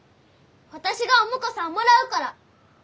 私がお婿さんもらうから。